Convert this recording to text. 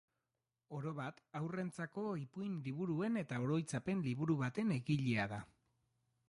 Orobat, haurrentzako ipuin liburuen eta oroitzapen liburu baten egilea da.